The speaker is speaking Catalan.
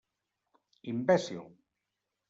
Imbècil.